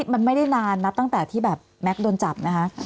มันไม่ได้นานนะตั้งแต่ที่แบบแม็กซ์โดนจับนะคะ